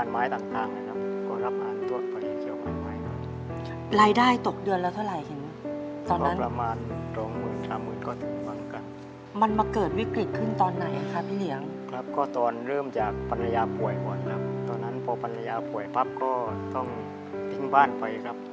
เมื่อก่อนนี้นะคะ